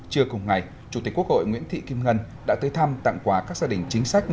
trưa cùng ngày chủ tịch quốc hội nguyễn thị kim ngân đã tới thăm tặng quà các gia đình chính sách